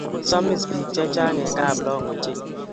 Samis pik che chnag en kaplong ochei